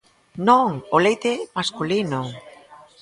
Non, ¡o leite é masculino!